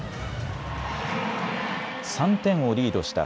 ３点をリードした